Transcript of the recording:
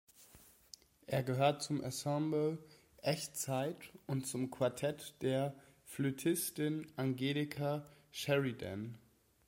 Er gehört zum Ensemble "Echtzeit" und zum Quartett der Flötistin Angelika Sheridan.